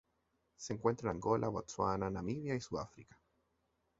Se encuentra en Angola, Botsuana, Namibia y Sudáfrica.